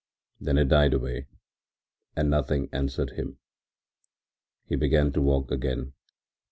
Then it died away and nothing answered him. He began to walk again.